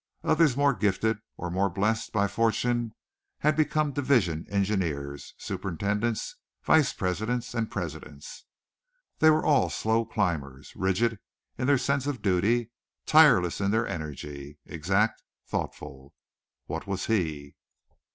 Others more gifted or more blessed by fortune became division engineers, superintendents, vice presidents and presidents. They were all slow climbers, rigid in their sense of duty, tireless in their energy, exact, thoughtful. What was he?